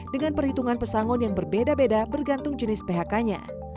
dengan perhitungan pesangon yang berbeda beda bergantung jenis phk nya